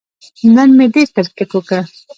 نن مې ډېر کیرکټ وکه